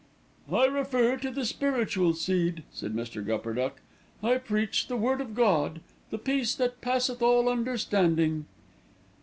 "I refer to the spiritual seed," said Mr. Gupperduck. "I preach the word of God, the peace that passeth all understanding."